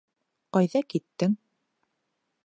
Ҡайҙа киттең?